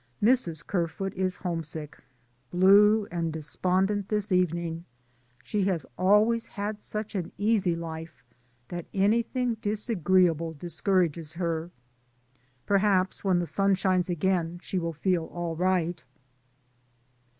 Mrs. Kerfoot is homesick, blue and de spondent this evening; she has always had such an easy life that anything disagreeable discourages her. Perhaps when the sun shines again she will feel all right.